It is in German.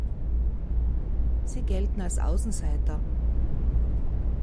Sie gelten als Außenseiter.